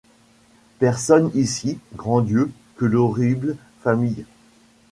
Personne ici, grand Dieu ! que l’horrible famille !